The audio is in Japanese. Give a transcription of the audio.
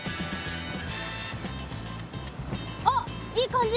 あっいい感じ。